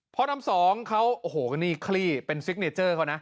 ดำสองเขาโอ้โหนี่คลี่เป็นซิกเนเจอร์เขานะ